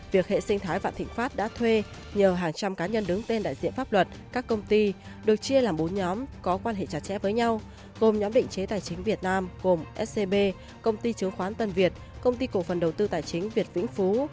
việc hệ sinh thái vạn thịnh pháp đã thuê nhờ hàng trăm cá nhân đứng tên đại diện pháp luật các công ty được chia làm bốn nhóm có quan hệ chặt chẽ với nhau gồm nhóm định chế tài chính việt nam gồm scb công ty chứng khoán tân việt công ty cổ phần đầu tư tài chính việt vĩnh phú